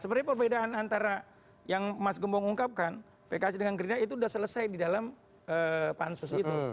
sebenarnya perbedaan antara yang mas gembong ungkapkan pks dengan gerindra itu sudah selesai di dalam pansus itu